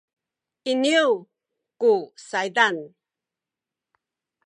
iniyu ku saydan